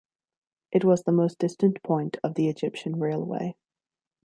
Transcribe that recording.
It was the most distant point of the Egyptian railway.